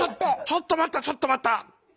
ちょっと待ったちょっと待った！